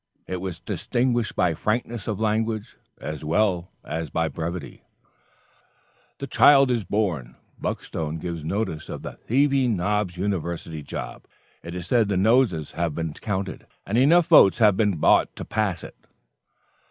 It was distinguished by frankness of language as well as by brevity: "The child is born. Buckstone gives notice of the thieving Knobs University job. It is said the noses have been counted and enough votes have been bought to pass it."